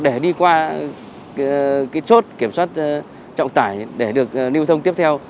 để đi qua chốt kiểm soát trọng tải để được lưu thông tiếp theo